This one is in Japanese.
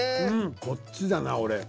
こっちだな俺。